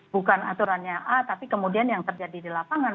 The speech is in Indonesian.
bukan aturannya a tapi kemudian yang terjadi di lapangan